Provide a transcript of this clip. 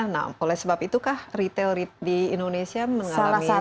nah oleh sebab itukah retail di indonesia mengalami